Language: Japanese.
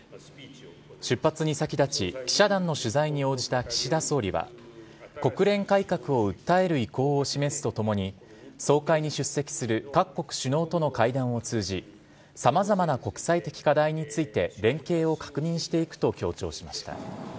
出発に先立ち、記者団の取材に応じた岸田総理は、国連改革を訴える意向を示すとともに、総会に出席する各国首脳との会談を通じ、さまざまな国際的課題について連携を確認していくと強調しました。